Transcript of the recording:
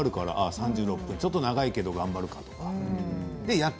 ３６分ちょっと長いけど頑張るかって。